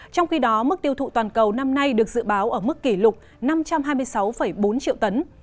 trong khi đó mức tiêu thụ toàn cầu năm nay được dự báo ở mức kỷ lục năm trăm hai mươi sáu bốn triệu tấn